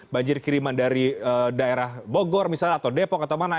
banjir kiriman dari daerah bogor misalnya atau depok atau mana